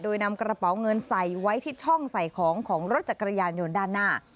โดยนำกระเป๋าเงินใส่ไว้ที่ช่องใส่ของของรถจักรยานยนต์ด้านหน้า